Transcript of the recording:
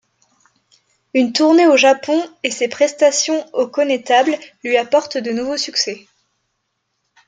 Une tournée au Japon et ses prestations au Connétable lui apportent de nouveaux succès.